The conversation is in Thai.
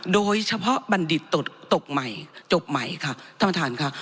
โดยเฉพาะบัณฑิตตกตกใหม่จบใหม่ค่ะท่านท่านค่ะ